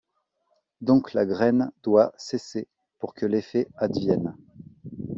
Donc la graine doit cesser pour que l'effet advienne.